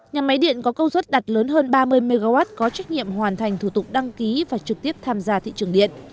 nhà máy điện có công suất đặt lớn hơn ba mươi mw có trách nhiệm hoàn thành thủ tục đăng ký và trực tiếp tham gia thị trường điện